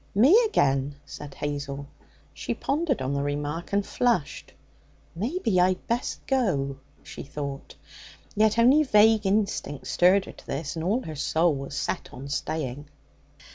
'Me again,' said Hazel. She pondered on the remark and flushed. 'Maybe I'd best go,' she thought. Yet only vague instinct stirred her to this, and all her soul was set on staying.